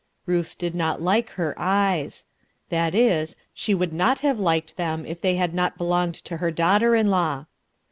Ruth did not like her eyes. That is, she would not have liked them if they had not belonged to her daughter in law.